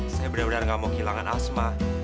saya benar benar gak mau kehilangan asma